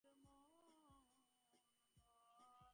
নিজের কাণ্ডজ্ঞানহীন স্বামীর উপর তাঁহার সমস্ত রাগ গিয়া পড়িল।